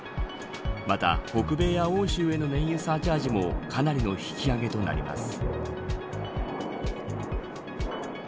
また、北米や欧州への燃油サーチャージもかなりな引き上げとなります。